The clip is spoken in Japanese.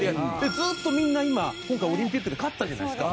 ずっとみんな今今回オリンピックで勝ったじゃないですか。